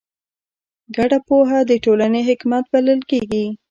ګډه پوهه د ټولنې حکمت بلل کېږي.